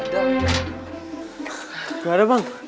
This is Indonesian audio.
gak ada bang